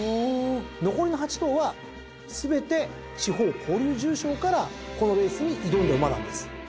残りの８頭は全て地方交流重賞からこのレースに挑んだ馬なんです。